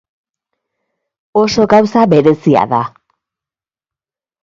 Oso gauza berezia da.